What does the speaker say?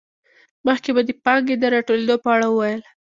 مخکې مو د پانګې د راټولېدو په اړه وویل